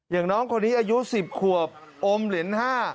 น้องคนนี้อายุ๑๐ขวบอมเหรียญ๕